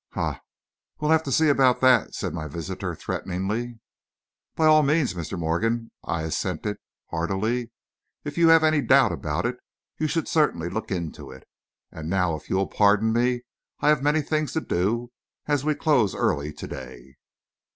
"Ha we'll have to see about that!" said my visitor, threateningly. "By all means, Mr. Morgan," I assented heartily. "If you have any doubt about it, you should certainly look into it. And now, if you will pardon me, I have many things to do, and we close early to day."